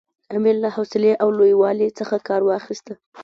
امیر له حوصلې او لوی والي څخه کار واخیست.